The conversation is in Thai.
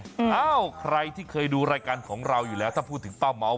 อ้าวใครที่เคยดูรายการของเราอยู่แล้วถ้าพูดถึงป้าเม้า